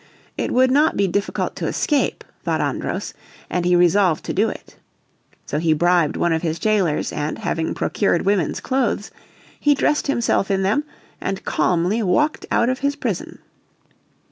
It would not be difficult to escape, thought Andros, and he resolved to do it. So he bribed one of his jailers, and, having procured woman's clothes, he dressed himself in them and calmly walked out of his prison.